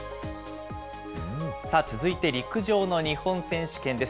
さあ続いて、陸上の日本選手権です。